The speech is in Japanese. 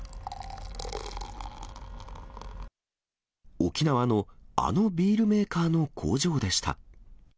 沖縄のあのビールメーカーの工場でした。